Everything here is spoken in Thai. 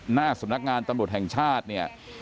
หน้าสำนักงานตำรวจแห่งชาติเนี่ย